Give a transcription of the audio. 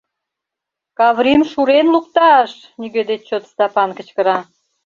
— Каврим шурен лукта-аш! — нигӧ деч чот Стапан кычкыра.